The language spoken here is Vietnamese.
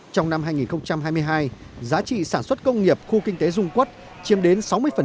trong năm hai nghìn hai mươi hai giá trị sản xuất công nghiệp khu kinh tế dung quốc chiếm đến sáu mươi